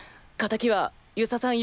仇は遊佐さん